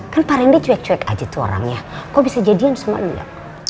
kan pak rendi cuek cuek aja tuh orangnya kok bisa jadian sama lu ya